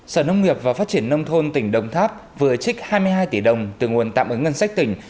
sở nông nghiệp và phát triển nông thôn tỉnh đồng tháp vừa trích hai mươi hai tỷ đồng từ nguồn tạm ứng ngân sách tỉnh